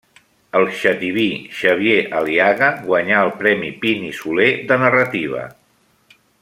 El xativí Xavier Aliaga guanyà el Premi Pin i Soler de narrativa.